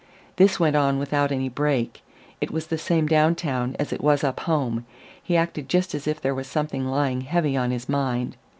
This went on without any break; it was the same down town as it was up home, he acted just as if there was something lying heavy on his mind.